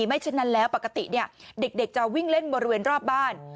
ฉะนั้นแล้วปกติเด็กจะวิ่งเล่นบริเวณรอบบ้าน